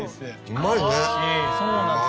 うまいね。